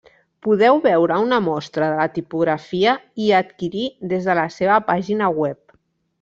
Podeu veure una mostra de la tipografia i adquirir des de la seva pàgina web.